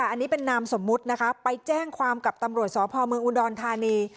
อันนี้เป็นนามสมมุตินะคะไปแจ้งความกับตำรวจสพเมืองอุดรธานี